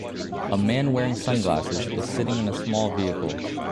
A man wearing sunglasses is sitting in a small vehicle